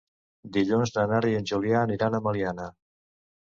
Dilluns na Nara i en Julià aniran a Meliana.